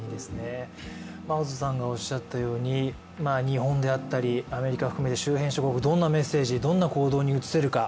マオズさんがおっしゃったように日本であったり、アメリカ含め、周辺諸国、どんなメッセージ、どんな行動に移せるか。